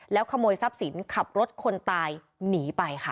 ขโมยทรัพย์สินขับรถคนตายหนีไปค่ะ